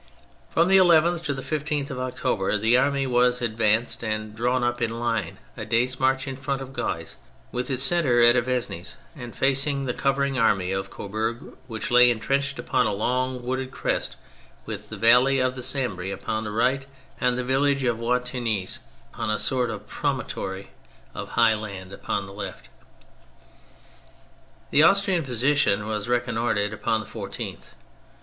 From the 11th to the 15th of October the army was advanced and drawn up in line, a day's march in front of Guise, with its centre at Avesnes and facing the covering army of Coburg, which lay entrenched upon a long wooded crest with the valley of the Sambre upon its right and the village of Wattignies, on a sort of promontory of high land, upon its left. The Austrian position was reconnoitred upon the 14th.